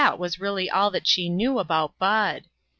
was really all that she knew about Bud.